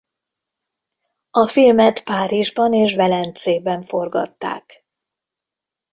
A filmet Párizsban és Velencében forgatták.